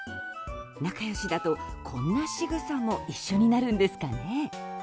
仲良しだと、こんなしぐさも一緒になるんですかね。